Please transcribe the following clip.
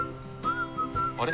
あれ？